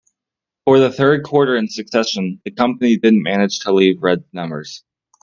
For the third quarter in succession, the company didn't manage to leave red numbers.